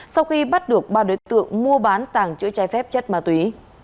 sau khi bắt được ba đối tượng mua bán tàng chữ trái phép chất ma túy